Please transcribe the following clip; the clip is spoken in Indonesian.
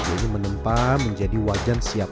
ini menempa menjadi wajan siap